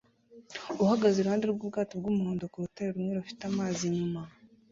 uhagaze iruhande rw'ubwato bw'umuhondo ku rutare rumwe rufite amazi inyuma